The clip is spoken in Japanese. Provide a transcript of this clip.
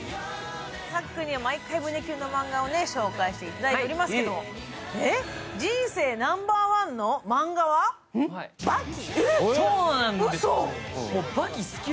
さっくんには毎回胸キュンのマンガを紹介していただいていますけど、えっ、人生ナンバーワンのマンガは「刃牙」？